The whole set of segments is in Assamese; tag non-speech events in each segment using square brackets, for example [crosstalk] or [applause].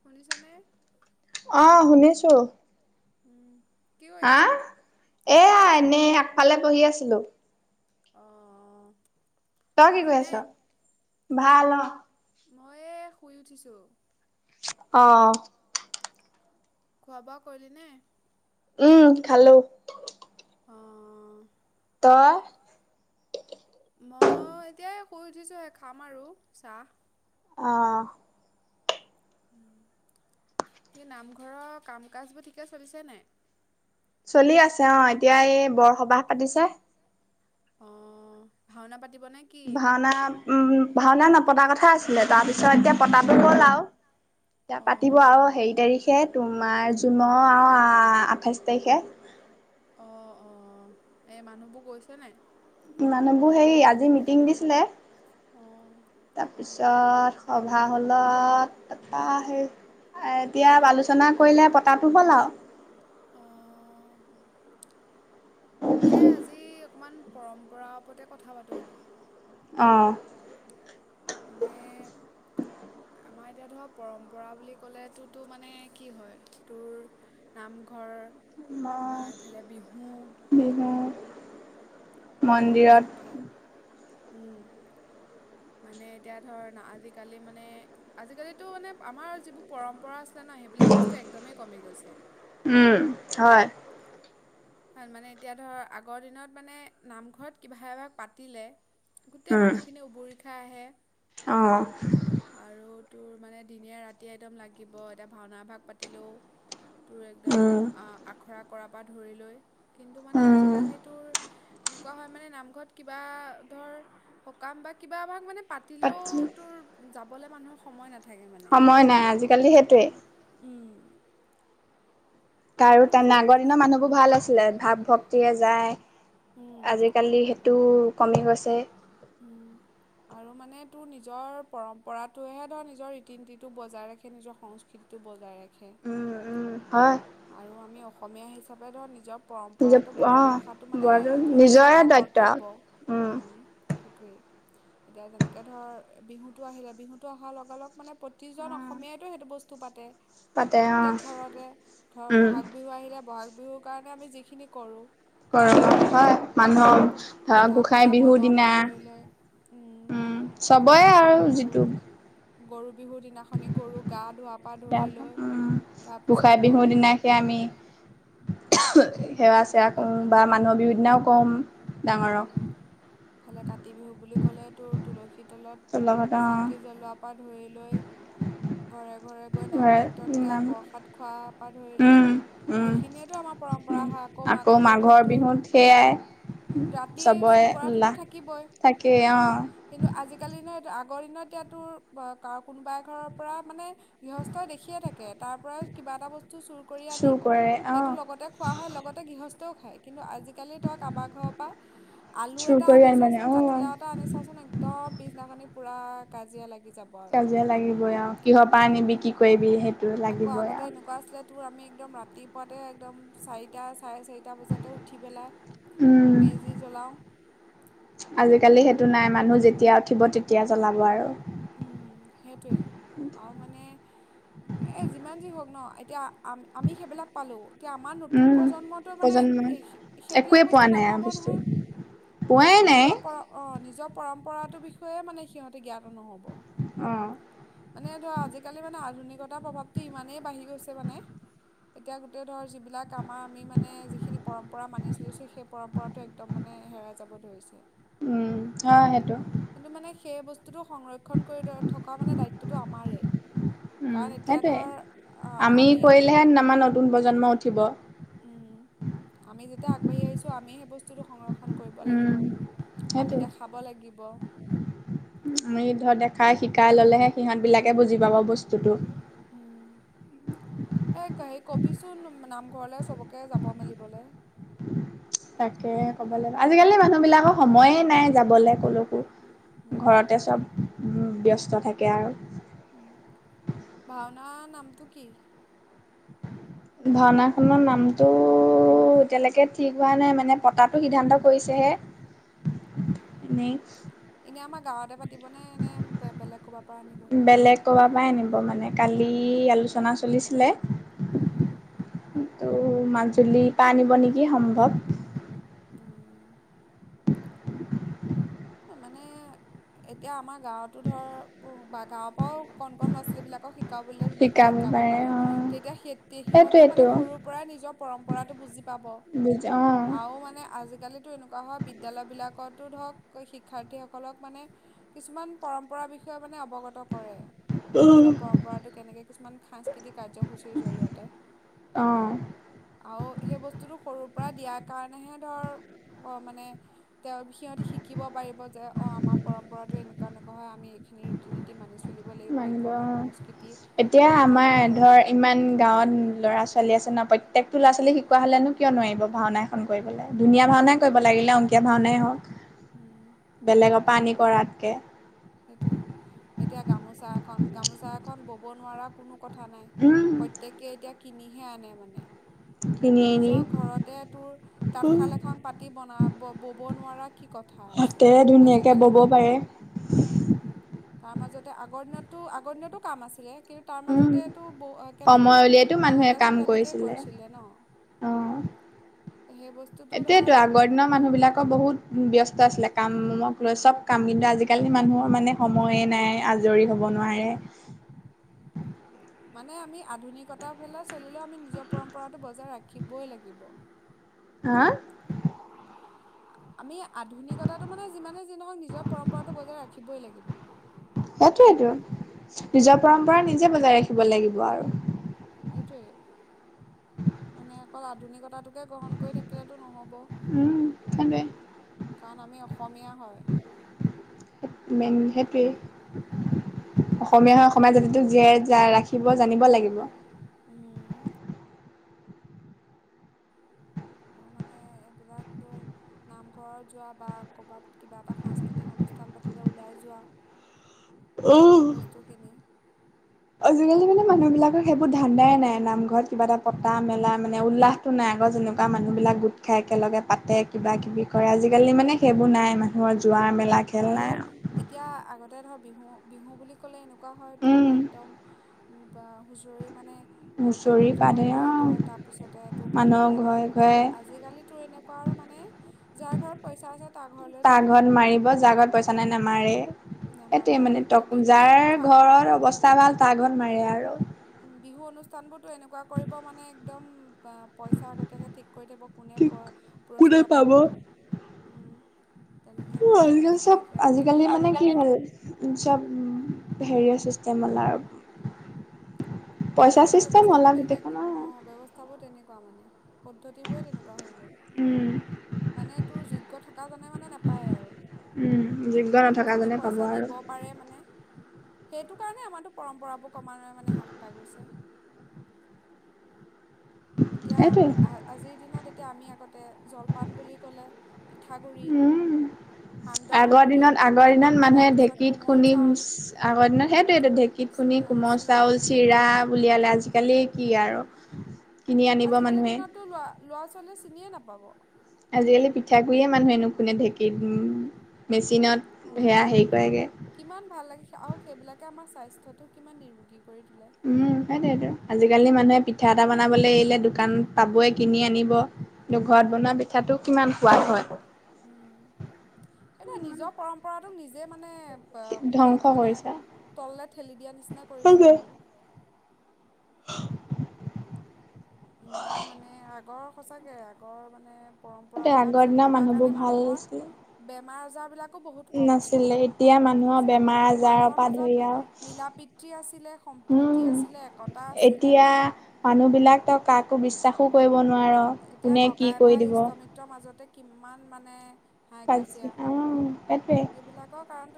শুনিছা নে? অহ শুনিছো। উম কি কৰি আছ? আহ কি এয়া কৰি আছ? এনেই আগফালে বহি আছিলো। অহ তই কি কৰি আছ? ভাল অ মই এই শুই উঠিছো অ খোৱা বোৱা কৰিলি নে? উম খালো অ', তই মই এতিয়াই শুই উঠিছোহে খাম আৰু চাহ আহ এই নামঘৰৰ কাম কাজবোৰ ঠিকে চলিছে নাই? চলি আছে অ এতিয়া এই বৰসবাহ পাতিছে অ ভাওনা পতি ভাওনা উম ভাওনা নপতা কথাই আছিলে তাৰ পিছত এতিয়া পতাটো হল আৰু এতিয়া অ', পাতিব আৰু অ'। সেৰি তাৰিখে তোমাৰ জুনৰ আৰু আঁঠাইছ তাৰিখে, অঁ অঁ এই মানুহবোৰ গৈছে নে? মানুহবোৰ সেই আজি মিটিং দিছিলে। অ', তাৰপিছত। পিছত সভা হ'লত তপৰা সেই এতিয়া আলোচনা কৰিলে পতাটো হ'ল আৰু, অঁ। কে আজি অকমান। পৰম্পৰা ওপতে কথা পাতোঁ। অঁ। মানে। আমাৰ এতিয়া ধৰ পৰম্পৰা বুলি ক'লেতো মানে কি হয় তোৰ নামঘৰ, ম বা এইফালে বিহু বিহু, মন্দিৰত তাৰপিছতে, উম মানে এতিয়া ধৰ ন আজিকালি মানে আজিকালিটো মানে আমাৰ যিবোৰ পৰম্পৰা আ, ন সেইবিলাক বস্তু একদমেই কমি গৈছে, উম, হয়। মানে এতিয়া ধৰ আগৰ দিনত মানে নামঘৰত কিবা এভাগ পাতিলে গোটেই মানুহখিনি উবৰি, উতখাই আহে। অঁ আৰু তোৰ মানে দিনে ৰাতিযে একদম লাগিব এদ, ভাওনাভাগ পাতিলেও তোৰ একদম উম, আখৰাক, কপ পৰা ধৰি লৈ, কিন্তু মানে উম, আজিকালি তোৰ, এনেকুৱা হয় মানে নামঘৰত কিবা ধৰ সকাম বা কিবা আমাক মানে, পাতিলেও বাকী তোৰ যাব, গ'লৈ মানুহৰ সময় নাে থাকে মানে সময় নাই আজিকালি সেইটোৱে। উম, কাৰ তেনে আৰু আগৰ মানে দিনৰ মানুহবোৰ ভাল আছিলে ভাৱ ভক্তিৰে যায়। উম আজিকালি সেইটো, কমি গৈছে। উম আৰু মানে তোৰ নিজৰ পৰম্পৰাটোহে ধৰ নিজৰ ৰীতি নীতিতটো বজাই ৰাখে নিজৰ সংস্কৃতিতটো বজাই ৰাখে। উম উম হয়। আৰু আমি অসমীয়া হিচাপে ধৰ নিজৰ। নিজৰ পৰম্পৰাটো বজাই অ', ৰখাটো মানে বৰদৌল সেইটো নিজৰ নিজৰে এটা দৈত্য। কৰ্তব্য উম সেইটোৱেই, এতিয়া যেনেকে ধৰ বিহুটো আহিলে বিহুটো অহাৰ লগা লগ মানে প্ৰতিজন অসমীয়াইতো সেইটো বস্তু পাতে। পাতে অ'। প্ৰত্যেক ঘৰতে। ধৰ উম বহাগ বিহু আহিলে। বহাগ বিহুৰ কাৰণে আমি যিখিনি কৰো। গৰম হয় মানুহ। পিঠা পনা বনোৱাৰ পৰা ধৰি লয় উম চবৰে আৰু তাৰপিছতেতো। যিটো গৰু বিহুৰ দিনাখনে গৰু গা ধুৱা। মগোসাই বিহুৰ গৰু দিনাকে আমি। উ হু সেৱা চেৱা। উম বা মানুহৰ বিহুৰ দিনাও কম। উম, ডাঙৰক। ইফালে কাতি বিহু বুলি 'লে তোৰ তুলসীত। তলত লগত অ চাকি জ্বলোৱাৰ পৰা ধৰি লৈ। ঘৰে ঘৰে গৈ নাম ঘৰে কীৰ্তন গাই নাম প্ৰসাদ খোৱা পৰা ধৰি লয় উম উম সেইখিনিয়েটো আমাৰ পৰম্পৰা উম হয় আকৌ মাঘৰ বিহুতো। বিহুত সেয়াই ৰাতি চবৰে চুৰ কৰাতো উল্লাহ থাকিবই থাকে অ কিন্তু আজিকালি ন। আগৰ দিনত এতিয়াতোৰ কাৰ কোনোবাই ঘৰৰ পৰা মানে গৃহস্থই দেখিয়ে থাকে তাৰ পৰা কিবা এটা বস্তু। চুৰ কৰি আনি চুৰ কৰে অ সেইটো লগতে খোৱা হয় লগতে গৃহস্থও খায়। কিন্তু আজিকালি ত কাবাৰ। আলু চুৰ এটা কৰি আন মানে আনিছাচোন অ জাতিলাও কাজিয়া এটা আনিছাচোন একদম পিছদিনাখনি। পুৰা কাজিয়া লাগে। কাজিয়া লাগিবই আৰু কিহৰ পৰা আনিবি কি কৰিবি সেইটো আকৌ লাগিবই আগতে আউ। এনেকুৱা আছিলে তোৰ আমি একদম ৰাতিপুৱাতে একদম চাৰিটা। চাৰে চাৰিটা বজাতে উঠি পেলাই উম, মেজি জ্বলাওঁ। আজিকালি সেইটো নাই মানুহ যেতিয়া উঠিব তেতিয়া জ্বলাব আৰু। উম সেইটোৱেই আৰু মানে এ যিমান যি হওক ন এতিয়া। আম আমি সেইবিলাক পালোঁ এতিয়া আমাৰ নতুন উম, প্ৰজন্মটো মানে প্ৰজন্মই এই সেইবিলাক একোৱে পোৱা বস্তু নাই আৰু নাপাব বস্তু নহয় পোৱাই নাই নিজৰ পৰা অ নিজৰ। পৰম্পৰাটোৰ বিষয়ে মানে সিহঁতে জ্ঞাত নহব। অ'। মানে ধৰা আজিকালি মানে আধুনিক। পতাৰ প্ৰভাৱটো ইমানেই বাঢ়ি গৈছে মানে এতিয়া গোটেই ধৰ যিবিলাক আমাৰ আমি মানে যিখিনি পৰম্পৰা মানি চলিছে সেই পৰম্পৰাটো একদম মানে হেৰাই যাব ধৰিছে। উম, হয় সেইটো কিন্তু মানে সেই বস্তু। [unintelligible] খন কৰি থকা মানে দায়িত্বটো আমাৰেই উম, কাৰণ এতিয়া সেইটোৱে ধৰ আমি কৰিলেহে আমাৰ নতুন প্ৰজন্ম উঠিব। উম আমি যেতিয়া আগবাঢ়ি আহিছো আমি সেই বস্তুটো সংৰক্ষণ কৰিব লাগিব উম আমি সেইটো দেখাব লাগিব আমি ধৰ দেখাই শিকো কাই ল'লে হে সিহঁত বিলাকে বুজি পাব বস্তুটো উম, উম। ঘৰলৈ সবকে যাব মেলিবলৈ তাকে ক'ব লাগিব আজিকালি মানুহ বিলাকৰ সময়ে নাই যাবলৈ ক'লো ঘৰতে চব ব্যস্ত থাকে আৰু উ ভাওনা নামটো কি? ভাওনাখনৰ নামটো এতিয়ালৈকে ঠিক হোৱা নাই মানে পতাটো সিদ্ধান্ত অ কৰিছেহে এনেই এনেই আমাৰ গাঁৱতে পাত বেলেগ কবা পাই আনিব মানে কালি আ আলোচনা চলিছিলে উম, ত' মাজুলীৰ পৰা আনিব নেকি সম্ভৱ উম মানে এতিয়া আমাৰ গাঁৱতো ধৰ বা গাঁৱৰ পৰাও কন কন ল' ছোৱালী বিলাকৰ শিক শিকাব ব ধুনীয়াকৈ শিকাব পাৰে তেতিয়া সতি সিহঁতেও মানে সেইটোৱেইটো সৰুৰ পৰাই নিজৰ পৰম্পৰাটো বুজি পাব বুজ অ'। আৰু মানে আজিকালিতো এনেকুৱা হয় বিদ্যালয়বিলাকত তো ধৰক শিক্ষাৰ্থীসকলক মানে কিছুমান পৰম্পৰা বিষয়ে মানে অৱগত কৰে নিজৰ পৰম্পৰাতটো কেনেকে কিছুমান সাংস্কৃতিক কাৰ্যসূচীৰ জৰিয়তে অ' আৰু সেই বস্তুটো সৰুৰ পৰা দিয়াৰ কাৰনেহে ধৰ মানে তেওঁ সিহঁতি শিক শিকিব পাৰিব যে অঁ আমাৰ পৰম্পৰাটো এনেকুৱা নকৱাও আমি এইখিনি ৰীতি-নীতি মানিছো। মান এতিয়া আমি এইটো আমাৰ এনেকৈ বজাই ধৰ ইমান গাঁৱত ল'ৰা ছ ছোৱালী আছে ন প্ৰত্যয়কটো ল'ৰা ছোৱালী শিকোৱা হলেনো কিয় নোৱাৰিব ভাওনা এখন কৰিবলৈ? ধুনীয়া ভাওনাই উম কৰিব লাগিলে অংকীয়া ভাওনাই হওক উম বেলেগৰ পৰা আনি কৰাতকে সেইটোৱে এতিয়া গামোচা এখন গামোচা এখন বব নোৱাৰা কোনো কথা নাই উম প্ৰত্যেকে এতিয়া কিনিহে আনে মানে কিনি কিন্তু আনি। নিজৰ ঘৰতে তোৰ উম, তাঁতশাল এখন পাতি বনা বব নোৱাৰা কি কথা আছে হাতেৰে ধুনীয়াকে আজিকালি বব মান পাৰে। তাৰ মাজতে আগৰ দিনতো আগৰ দিনতো কাম আছিলে। কিন্তু তাৰ উম মাজতেতটো ব কেনেকে সময় উলিয়াইতো মানুহে কাম মাহতেচোন তেনেকেই, কৰিছিলে ন, সেই বস্তুটো ধৰ সেইটোৱেটো আগৰ দিনৰ মানুহ বিলাকৰ বহুত উ ব্যস্ত, আছিলে কামক লৈ চব কাম কিন্তু আজিকালি মানুহৰ মানে সময়ে নাই আজৰি হ'ব নোৱাৰে, মানে আমি আধুনিকতা ফালেও চলিলেও আমি নিজৰ পৰম্পৰাটো বজাই ৰাখিবই লাগিব। হা- আমি আধুনিকতাটো মানে যিমানেই যিনহক নিজৰ পৰম্পৰাটো বজাই ৰাখিবই লাগিব। সেইতোৱেইটো নিজৰ- পৰম্পৰা নিজে বজাই ৰাখিব লাগিব আৰু, সেইটোৱেই, মানে অকল আধুনিকতাটোকে গ্ৰহণ কৰি থাকিলেতো নহ'ব। উম সেইটোৱে কাৰণ আমি অসমীয়া হয়, মেইন সেইটোৱেই অসমীয়া হয় অসমীয়া জাতিটো জীয়াই ৰাখিব জানিব লাগিব। উম। আৰু মানে এইবিলাক ধৰ নামঘৰত যোৱা বা ক'বাত কিবা এটা সাংস্কৃতিক অনুষ্ঠান পাতিলে ওলাই যোৱা। উম সে বস্তুখিনি- আজিকালি মানে মানুহ বিলাকৰ সেইবোৰ ধান্দাই নাই, নামঘৰত কিবা এটা পতা মেলা মানে উল্লাহটো নাই আগৰ যেনেকুৱা মানুহ বিলাক গোট খাই একেলগে পাতে কিবা কিবি কৰে আজিকালি মানে সেইবোৰ নাই মানুহৰ যোৱা মেলা। খেল আৰু নাই এতিয়া আগতে ধৰ- বিহু বিহু বুলি ক'লে এনেকুৱা হয় তোৰ উম একদম বা হুঁচৰি মানে, হুঁচৰি বকুল পা তলত ধৰি অ মাৰিব তাৰপিছতে তোৰ ঘৰে মানুহৰ ঘৰে মাৰিব ঘৰে কিন্তু আজিকালিটো এনেকুৱা আৰু তো মানে যাৰ ঘৰত পইচা আছে তাৰ ঘৰলৈ যাব। যা ঘত পইচা নাই তাক নামাৰে এইটোৱে নামাৰে আৰু মানে তোৰ বি বিহু যাৰ ফাং ঘৰত অৱস্থা ভাল তাৰ ঘৰত মাৰে আৰু- উ বিহু অনুষ্ঠান বোৰতো এনেকুৱা কৰিব মানে একদম, পইচা আগতীয়াকৈ ঠিক কৰি থ'ব কোনে ঠিক কোনে পুৰস্কাৰ পাব, অ' তেনেকৈ মানে আজিকালি চব হেৰি কৰে আজিকালি মানে কি আগতীয়াকৈ, হ'ল চব হেৰিয় চিষ্টেম অ'লা আৰু, পইচা আজিকালি চিষ্টেম হ'ল ব্যৱস্থাবোৰ আৰু তেনেক গোটেইখন আৰু। অ ব্যৱস্থা বোৰ তেনে, কোৱা মানে, পদ্ধতিবোৰে তেনেকুৱা হৈ গ'ল উম, মানে তোৰ যোগ্য থকাজনে মানে নাপায় আৰু উম, যোগ্য যোনে নথকাজনে পাব পইচা আৰু। দিব পাৰে মানে, সেইটো কাৰণে আমাটো পৰম্পৰাবোৰ কমা, উ [unintelligible] পাই গৈছে। এতিয়া সেইটোৱে, আ আজিৰ দিনত। এতিয়া আমি আগতে, জলপান বুলি ক'লে পিঠাগুড়ি উম আগৰ সান্দহগুড়ি দিনত আগৰ দিনত মানুহে তাৰপিছত ঢেকীত কোমল খুন্দি চাউল আগৰ দিনত সেইটোয়ে ত ঢেকীত খুন্দি কোমল চিৰা চাউল চিৰা উলিয়ালে আজিকালি, আজি কালি কি আৰু, আনিব আজিকালিৰ মানুহে। দিনতো ল লৰা ছোৱালীযে, চিনিয়ে নাপাব। আজিকালি পিঠাগুৰিয়ে মানুহে নুখুন্দে ঢেঁকীযে বেছি, চীনত অঁ সেয়া হেৰি কৰেগে। কিমান ভাল লাগে আৰু সেইবিলাকে আমাৰ স্বাস্থ্যটো কিমান নিৰোগী। কৰি তোলে উম সেইটতো আজিকালি মানে। পিঠা এটা বনাবলৈ আহিলে দোকান পাবই কিনি আনিব নে ঘৰত বনোৱা পিঠাটো কিমান। সোৱাই হয়। উ সেইটো নিজৰ পৰম্পৰা। টো নিজে মানে। ধ্বংস ঠেক মানে কৰিছে। তললে ঠেলি দিয়া নিচিনা কৰিছে আৰু। [inaudible] ইমান মানে আগৰ। সঁচাকৈ আগৰ মানে। তে পৰম্পৰাবিলাক আগৰ চলি দিনৰ থকাৰ মানুহবোৰ কাৰণে ভাল মানুহৰ। আছিলে। বমাৰ আজাৰবিলাক। বহুত কম নাছিলে আছিলে এতিয়া মানুহৰ নাছিলে বেমাৰ আৰু আজাৰৰ মানুহৰ পৰা ধৰি আৰু মাজত মিল প্ৰীতি আছিলে সম্প্ৰীতি উম আছিলে একতা আছিলে। এতিয়া মানুহ বিলাক তই কাকো বিশ্বাসো কৰিব। কব নোৱাৰ এতিয়া কোনে কি ককাই কৰি ভাই দিব। ইষ্টমিত্ৰৰ মাজতে কিমান মানে। হাই কাজিয়া উম সেইটোৱে।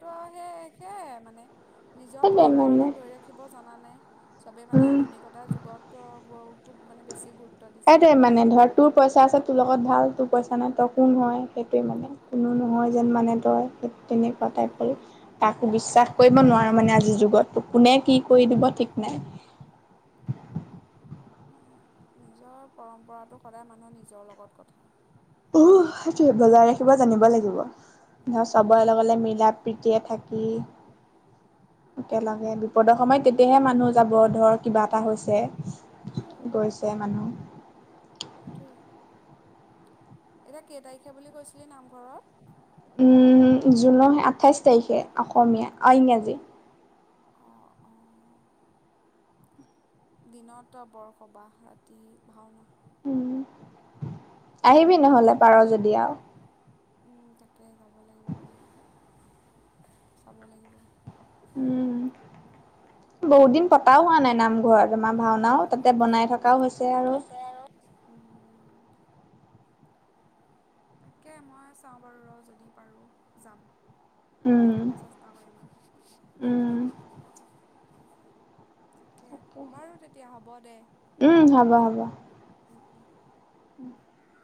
তো সেই সেয়াই মানে। নিজৰ সেইটোৱে মানে পৰম্পৰাটোক ধৰি ৰাখিব। জনানে। চবেই মানে উম আধুনিকতাৰ যুগতো। গৰুতোক মানে গুৰুত্ব। গুৰুত্ব দিছে। সেইটোৱে মানে ধৰ তোৰ পইচা আছে তোৰ লগত ভাল তোৰ পইচা। মানে তইকোন হয় সেইটোৱে মানে। কোনো নহয় যেন উম মানে তই তেনেকুৱা টাইপৰ উম তাকো বিশ্বাস কৰিব নোৱাৰো মানে আজিৰ যুগত কোনে কি। কৈ দিব ঠিক নাই। নিজৰ পৰম্পৰাতটো সদায় মানুহৰ নিজৰ লগত কথা। অ সেইটোৱে বৰাৰে। থাকিব জানিব লাগিব ধৰক চবৰে লগে মিলা প্ৰীতিয়ৰে থাকি। একেলাগে দু। বিপদৰ সময়ত তেতিয়াহে মানুহ যাব ধৰ কিবা এটা হৈছে গৈছে মানুহ। সেইটোৱেই এতিয়া কেই তাৰিখে বুলি কৈছিলি নাম ঘৰত? উম জুনৰ আঠাইশ তাৰিখে অসমীয়া ইংৰাজী অ অ দিনত টৌ বৰসবাহ ৰাতি ভাওনা উম আহিবি নহ'লে পাৰ যদি আৰু উম তাকে যাব লাগিব বাৰু চাব লাগিব উম বহুত দিন পতাও হোৱা নাই নামঘৰত আমাৰ ভাওনাও তাতে বনাই থকাও হৈছে আৰু তাকে মই চাওঁ বাৰু ৰ যদি পাৰোঁ যাম উম যাবলৈ চেষ্টা কৰিম আৰু উম তাকে বাৰু তেতিয়া হ'ব দে। উম উম